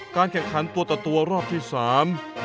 แข่งขันตัวต่อตัวรอบที่สาม